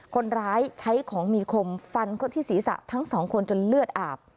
คนร้ายใช้ของมีคมฟันเขาที่ศีรษะทั้งสองคนจนเลือดอาบ